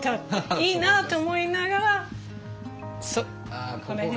いいなと思いながらスッこの辺で。